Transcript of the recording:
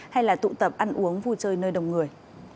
hay là tụ tập ăn uống vui chơi nơi đông người